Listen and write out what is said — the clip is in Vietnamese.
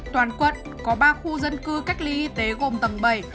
toàn quận có ba khu dân cư cách ly y tế gồm tầng bảy